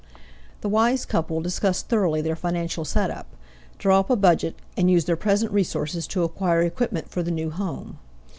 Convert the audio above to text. The wise couple discuss thoroughly their financial setup, draw up a budget, and use their present resources to acquire equipment for the new home.